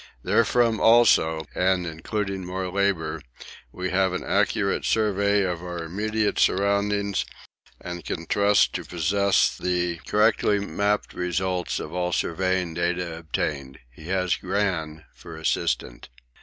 Therefrom also, and including more labour, we have an accurate survey of our immediate surroundings and can trust to possess the correctly mapped results of all surveying data obtained. He has Gran for assistant.